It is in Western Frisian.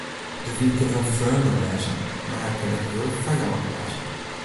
De wyn kin heel freonlik wêze mar hy kin ek heel fijannich wêze.